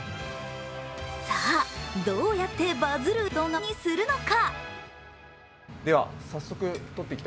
さあ、どうやってバズる動画にするのか。